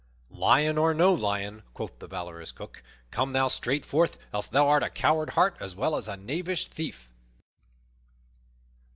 "Lion or no lion," quoth the valorous Cook, "come thou straight forth, else thou art a coward heart as well as a knavish thief."